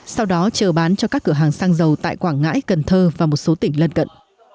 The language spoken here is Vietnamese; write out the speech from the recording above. sau đó chờ bán cho các cửa hàng xăng dầu tại quảng ngãi cần thơ và một số tỉnh lân cận